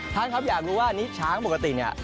ท่านครับอยากรู้ว่าอันนี้ช้างปกติเนี่ย